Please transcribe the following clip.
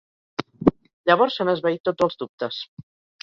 Llavors s'han esvaït tots els dubtes.